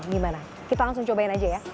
gimana kita langsung cobain aja ya